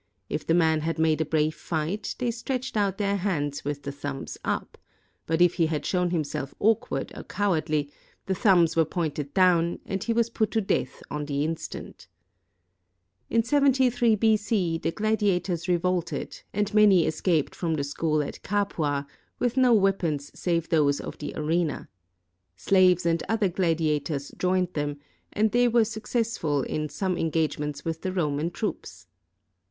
If the man had made a brave fight, they stretched out their hands with the thumbs up; but if he had shown himself awkward or cowardly, the thumbs were pointed down, and he was put to death on the instant. In 73 B.C. the gladiators revolted and many escaped from the school at Capua, with no weapons save those of the arena. Slaves and other gladiators joined them, and they were suc cessful in some engagements with the Roman troops.